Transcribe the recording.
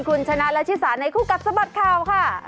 คุณชนะและชิสาในคู่กัดสะบัดข่าวค่ะ